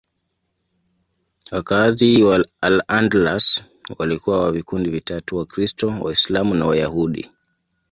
Wakazi wa Al-Andalus walikuwa wa vikundi vitatu: Wakristo, Waislamu na Wayahudi.